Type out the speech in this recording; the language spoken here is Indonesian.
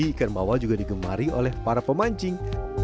ikan bawal juga digemari oleh para pemancing